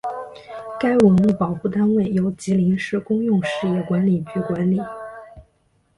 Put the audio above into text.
该文物保护单位由吉林市公用事业管理局管理。